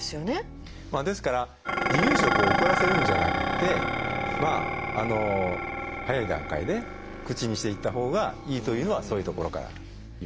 ですから離乳食を遅らせるんじゃなくて早い段階で口にしていったほうがいいというのはそういうところからいうんですね。